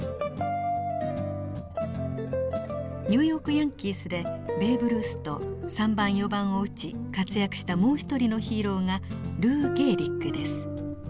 ニューヨーク・ヤンキースでベーブ・ルースと３番４番を打ち活躍したもう一人のヒーローがルー・ゲーリックです。